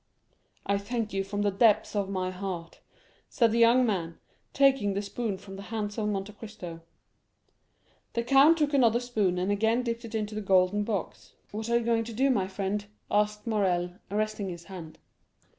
"I thank you from the depths of my heart," said the young man, taking the spoon from the hands of Monte Cristo. The count took another spoon, and again dipped it into the golden box. "What are you going to do, my friend?" asked Morrel, arresting his hand.